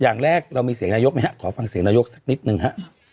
อย่างแรกเรามีเสียงนายกไหมฮะขอฟังเสียงนายกสักนิดนึงฮะ